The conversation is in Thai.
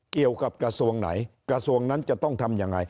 เกี่ยวกับกระทรวงไหน